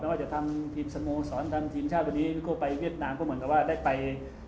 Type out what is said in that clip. ว่าจะทำทีมสโมสรทำทีมชาติวันนี้ทั่วไปเวียดนามก็เหมือนกับว่าได้ไป